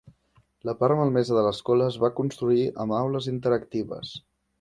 La part malmesa de l'escola es va reconstruir amb aules interactives.